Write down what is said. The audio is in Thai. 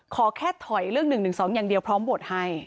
ขอแค่ถอยเรื่อง๑๑๒อย่างเดียวพร้อมโหวตให้